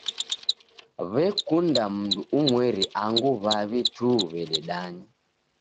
W'ekunda mndu umweri angu w'aw'i tu w'ededanya.